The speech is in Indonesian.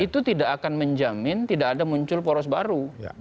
itu tidak akan menjamin tidak ada muncul poros baru